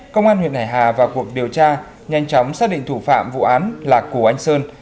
công an huyện hải hà vào cuộc điều tra nhanh chóng xác định thủ phạm vụ án là cù anh sơn